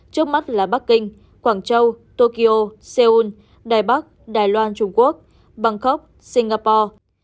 trước mắt là bắc kinh quảng châu tokyo seoul đài bắc đài loan trung quốc bangkok singapore